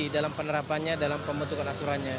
tidak ada penerapan dalam pembentukan aturannya